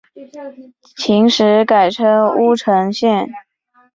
秦时改称乌程县。